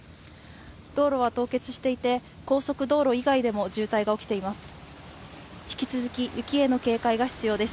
道路は凍結していて、高速道路以外でも渋滞が起きています。